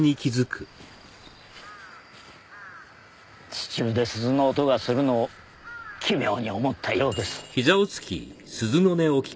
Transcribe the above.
地中で鈴の音がするのを奇妙に思ったようです。